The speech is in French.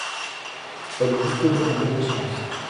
Elle est diplômée en neurosciences.